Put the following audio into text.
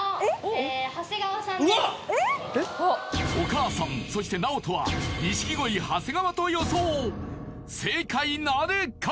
お母さんそしてＮＡＯＴＯは錦鯉長谷川と予想正解なるか！？